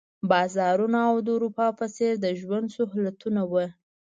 بازارونه او د اروپا په څېر د ژوند سهولتونه وو.